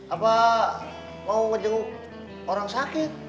apa mau ngejenguk orang sakit